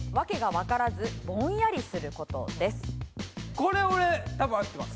これ俺多分合ってます。